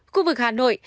khu vực hà nội